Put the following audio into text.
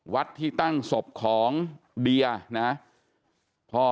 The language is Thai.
วัดที่ตั้งศพของเดียนะพ่อ